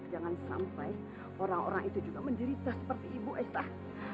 jangan sampai orang orang itu juga menderita seperti ibu eitah